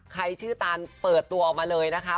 ใครชื่อตานเปิดตัวมาเลยนะคะ